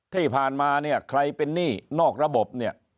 ที่ผ่านมาเนี่ยใครเป็นหนี้นอกระบบเนี่ย